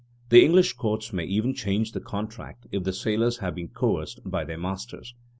The English courts may even change the contract if the sailors have been coerced by their masters.